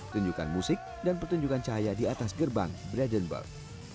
tunjukkan musik dan pertunjukan cahaya di atas gerbang bledonburg